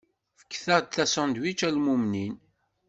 Fket-aɣ-d asandwič a lmumnin!